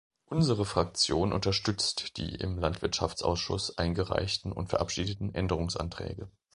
Unsere Fraktion unterstützt die im Landwirtschaftsausschuss eingereichten und verabschiedeten Änderungsanträge.